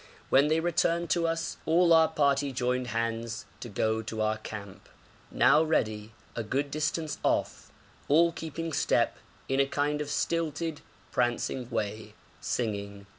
When they returned to us all our party joined hands to go to our camp, now ready, a good distance off, all keeping step in a kind of stilted, prancing way, singing.